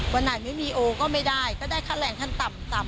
วันหนักไม่มีโอ่ก็ไม่ได้ก็ได้ค่าแรงทางต่ำ๓๓๑บาท